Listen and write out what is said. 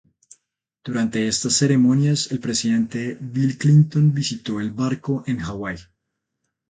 Durante estas ceremonias, el presidente Bill Clinton visitó el barco en Hawái.